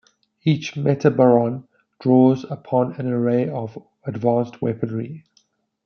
Each Metabaron draws upon an array of advanced weaponry.